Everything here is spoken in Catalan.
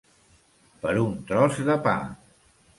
Per un tros de pa.